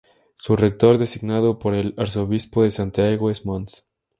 Su rector, designado por el Arzobispo de Santiago, es Mons.